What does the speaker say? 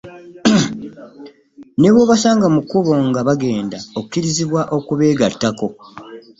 Ne bw’obasanga mu kkubo nga bagenda okkirizibwa okubeegattako.